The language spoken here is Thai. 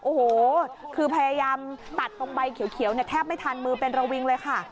โอ้โหคือพยายามตัดตรงใบเขียวเนี่ยแทบไม่ทันมือเป็นระวิงเลยค่ะ